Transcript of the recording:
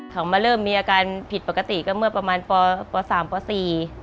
เขามาเริ่มมีอาการผิดปกติก็เมื่อประมาณปปสามปสี่